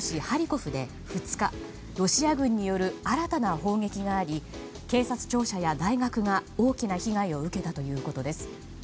ハリコフで２日、ロシア軍による新たな砲撃があり警察庁舎や大学が大きな被害を受けたということです。